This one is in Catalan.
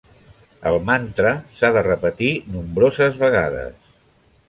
El mantra s'ha de repetir nombroses vegades.